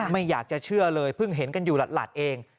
ไม่อยากจะเชื่อเลยเพิ่งเห็นกันอยู่หลาดเอง